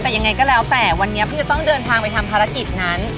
แต่ยังไงก็แล้วแต่วันนี้พี่จะต้องเดินทางไปทำภารกิจนั้น